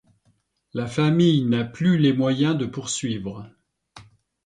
La famille n'a plus les moyens de poursuivre.